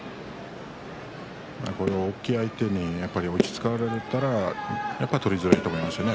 こういう大きい相手に落ち着かれたら取りづらいと思いますね